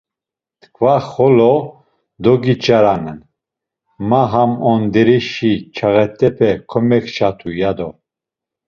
T̆ǩva xolo dogaç̌iranen, ma ham Onderişi çağet̆epe komekçatu, ya do.